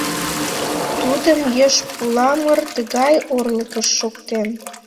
Тудым еш пуламыр тыгай орлыкыш шуктен.